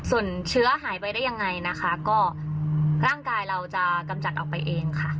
ส่วนเชื้อหายไปได้ยังไงนะคะก็ร่างกายเราจะกำจัดออกไปเองค่ะ